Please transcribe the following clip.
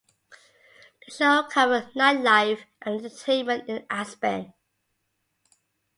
The show covered nightlife and entertainment in Aspen.